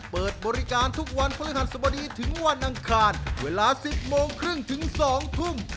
เปิดบริการทุกวันพฤหัสบดีถึงวันอังคารเวลา๑๐โมงครึ่งถึง๒ทุ่ม